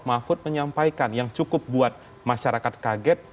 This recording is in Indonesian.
mahfud menyampaikan yang cukup buat masyarakat kaget